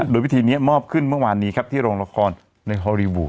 โดยพิธีนี้มอบขึ้นเมื่อวานนี้ครับที่โรงละครในฮอลลีวูด